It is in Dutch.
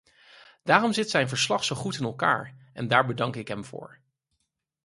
Daarom zit zijn verslag zo goed in elkaar, en daar bedank ik hem voor.